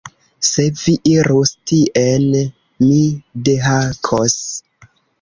Se vi irus tien, mi dehakos